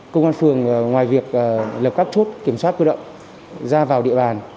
công an phường ngoài việc lập các chốt kiểm soát cơ động ra vào địa bàn